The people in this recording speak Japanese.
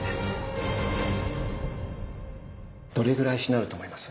どれぐらいしなると思います？